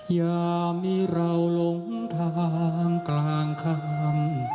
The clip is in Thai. อย่ามีเราหลงทางกลางคำ